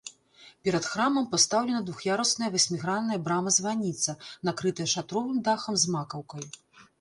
Перад храмам пастаўлена двух'ярусная васьмігранная брама-званіца, накрытая шатровым дахам з макаўкай.